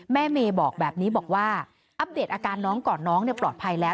เมย์บอกแบบนี้บอกว่าอัปเดตอาการน้องก่อนน้องปลอดภัยแล้ว